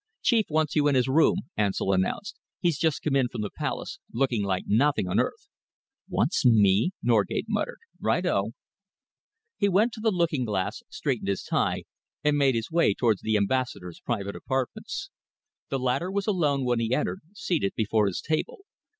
"Chief wants you in his room," Ansell announced. "He's just come in from the Palace, looking like nothing on earth." "Wants me?" Norgate muttered. "Righto!" He went to the looking glass, straightened his tie, and made his way towards the Ambassador's private apartments. The latter was alone when he entered, seated before his table.